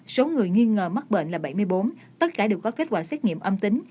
số người nghi ngờ mắc bệnh là bảy mươi bốn tất cả đều có kết quả xét nghiệm âm tính